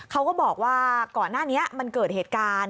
เขาก็บอกว่าก่อนหน้านี้มันเกิดเหตุการณ์